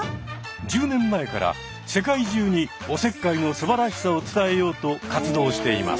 １０年前から世界中におせっかいのすばらしさを伝えようと活動しています。